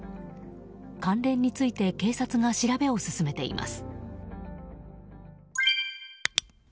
関連について警察が調べを進めています。